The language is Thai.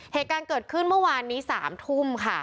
เหตุการณ์เกิดขึ้นเมื่อวานนี้๓ทุ่มค่ะ